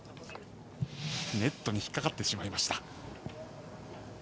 ネットに引っかかってしまいました。